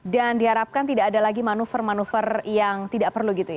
dan diharapkan tidak ada lagi manuver manuver yang tidak perlu gitu ya